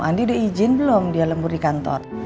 andi dia izin belum dia lembur di kantor